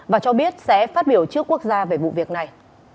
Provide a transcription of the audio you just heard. và cho biết sẽ phát biểu trước quốc gia về vụ việc này